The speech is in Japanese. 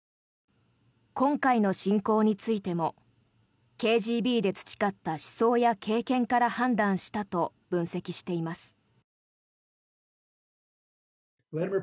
今回の侵攻についてもＫＧＢで培った思想や経験から判断したと分析しています。